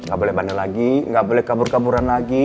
gak boleh bandel lagi gak boleh kabur kaburan lagi